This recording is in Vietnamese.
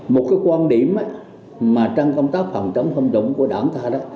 một quan điểm mà trang công tác phòng chống tham nhũng của đảng ta